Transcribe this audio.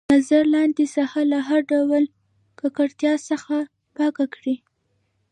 نظر لاندې ساحه له هر ډول ککړتیا څخه پاکه کړئ.